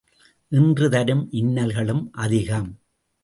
இன்று தரும் இன்னல்களும் அதிகம்.